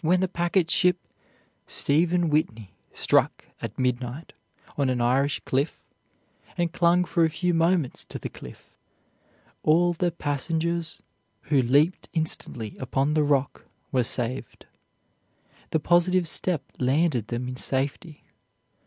When the packet ship Stephen Whitney struck, at midnight, on an Irish cliff, and clung for a few moments to the cliff, all the passengers who leaped instantly upon the rock were saved. The positive step landed them in safety.